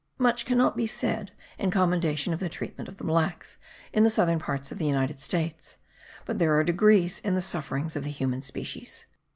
Much cannot be said in commendation of the treatment of the blacks in the southern parts of the United States; but there are degrees in the sufferings of the human species.